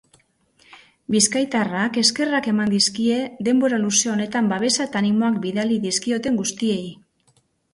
Bizkaitarrak eskerrak eman dizkie denbora luze honetan babesa eta animoak bidali dizkioten guztiei.